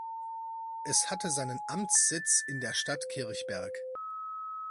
Es hatte seinen Amtssitz in der Stadt Kirchberg.